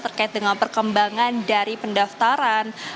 terkait dengan perkembangan dari pendaftaran